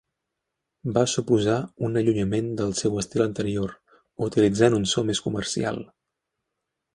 Va suposar un allunyament del seu estil anterior, utilitzant un so més comercial.